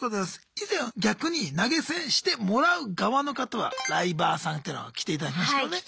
以前逆に投げ銭してもらう側の方はライバーさんってのが来ていただきましたよね。